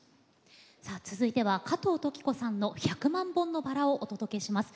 さあ続いては加藤登紀子さんの「百万本のバラ」をお届けします。